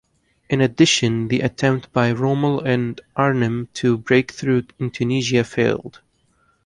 In addition, the attempt by Rommel and Arnim to breakthrough in Tunisia failed.